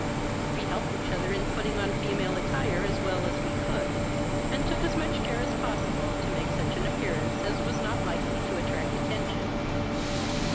"We helped each other in putting on female attire as well as we could, and took as much care as possible to make such an appearance as was not likely to attract attention.